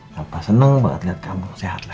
bapak seneng banget liat kamu sehat lagi